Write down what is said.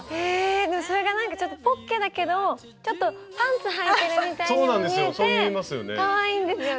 それがなんかちょっとポッケだけどちょっとパンツはいてるみたいにも見えてかわいいんですよね。